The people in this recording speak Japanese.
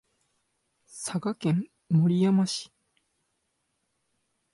滋賀県守山市